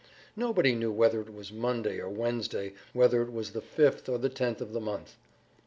Nobody knew whether it was Monday or Wednesday, whether it was the fifth or the tenth of the month.